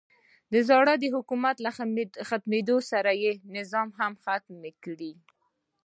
د زوړ حکومت له ختمېدو سره یې نظام هم ختم کړی.